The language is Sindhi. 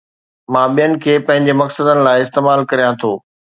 مان ٻين کي پنهنجي مقصدن لاءِ استعمال ڪريان ٿو